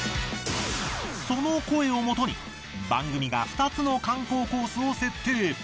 その声をもとに番組が２つの観光コースを設定！